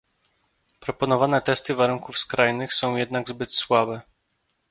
Proponowane testy warunków skrajnych są jednak zbyt słabe